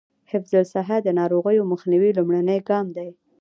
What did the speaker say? حفظ الصحه د ناروغیو مخنیوي لومړنی ګام دی.